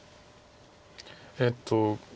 えっと。